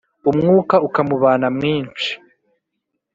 umwuka ukamubana mwimshi